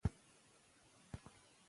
ماشوم د مور له مينې زده کړه کوي.